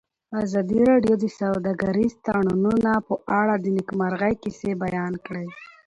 ازادي راډیو د سوداګریز تړونونه په اړه د نېکمرغۍ کیسې بیان کړې.